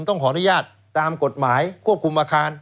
ต้องขออนุญาตตามกฎหมายควบคุมอาคาร